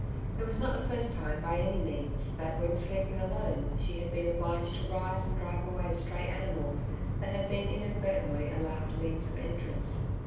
It was not the first time by any means that, when sleeping alone, she had been obliged to rise and drive away stray animals that had been inadvertently allowed means of entrance.